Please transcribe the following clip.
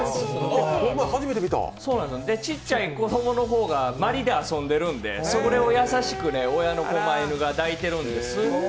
ちっちゃい子供の方がまりで遊んでいるんでそれを優しく親のこま犬が抱いているんです。